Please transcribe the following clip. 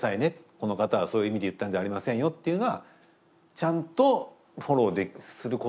この方はそういう意味で言ったんじゃありませんよ」っていうのはちゃんとフォローすることは。